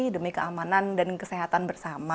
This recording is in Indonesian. demi keamanan dan kesehatan bersama